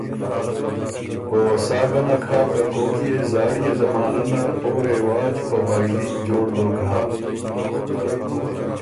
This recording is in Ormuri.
او سا ګه نک هۀ که کوک يې زاړيې زمانۀ نر او رواج په بائدی جوړ دوک هۀ۔